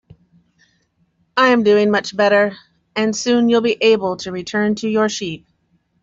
I'm doing much better, and soon you'll be able to return to your sheep.